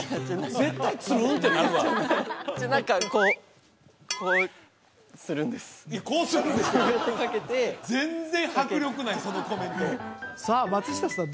絶対つるんってなるわ何かいやこうするんですって全然迫力ないそのコメントさあ松下さん